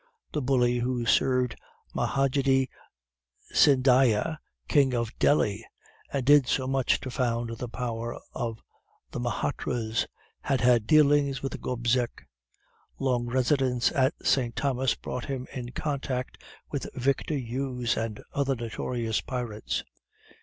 The bully who served Mahadaji Sindhia, King of Delhi, and did so much to found the power of the Mahrattas, had had dealings with Gobseck. Long residence at St. Thomas brought him in contact with Victor Hughes and other notorious pirates.